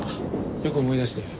よく思い出して。